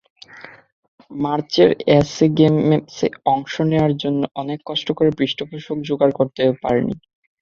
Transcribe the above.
মার্চের এসএ গেমসে অংশ নেওয়ার জন্য অনেক কষ্ট করেও পৃষ্ঠপোষক জোগাড় করতে পারেননি।